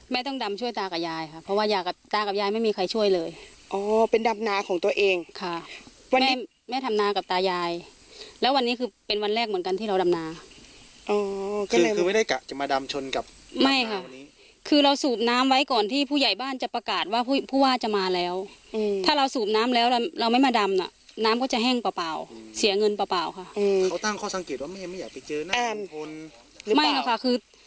แม่ต้องดำช่วยตากับยายเพราะว่าอยากตากับยายไม่มีใครช่วยเลยเป็นดำนาของตัวเองค่ะแม่ทำนากับตายายแล้ววันนี้คือเป็นวันแรกเหมือนกันที่เราดำนาคือไม่ได้กะจะมาดำชนกับไม่ค่ะคือเราสูบน้ำไว้ก่อนที่ผู้ใหญ่บ้านจะประกาศว่าผู้ว่าจะมาแล้วถ้าเราสูบน้ำแล้วเราไม่มาดำน้ำก็จะแห้งเปล่าเปล่าเสียเงินเปล่าเป